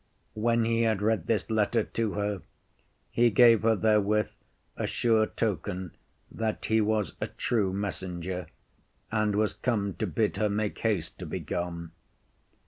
When he had read this letter to her, he gave her therewith a sure token that he was a true messenger, and was come to bid her make haste to be gone.